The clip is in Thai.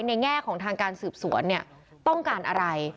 แง่ของทางการสืบสวนเนี่ยต้องการอะไร